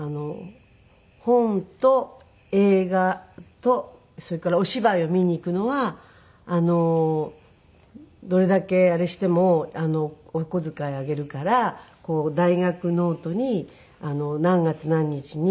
本と映画とそれからお芝居を見に行くのはどれだけあれしてもお小遣いあげるから大学ノートに何月何日に何を見た。